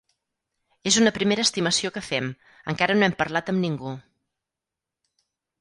És una primera estimació que fem, encara no hem parlat amb ningú.